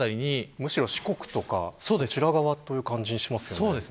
むしろ四国とかという感じがしますね。